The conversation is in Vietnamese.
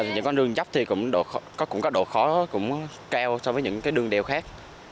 những con đường dốc thì cũng có độ khó cũng cao so với những đường đèo khác